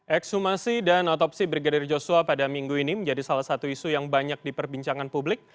ekshumasi dan otopsi brigadir joshua pada minggu ini menjadi salah satu isu yang banyak diperbincangkan publik